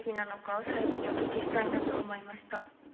最後にお聞きしたいなと思いました。